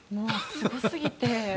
すごすぎて。